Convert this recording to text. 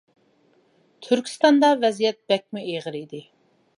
تۈركىستاندا ۋەزىيەت بەكمۇ ئېغىر ئىدى.